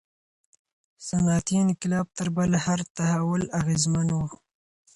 صنعتي انقلاب تر بل هر تحول اغیزمن و.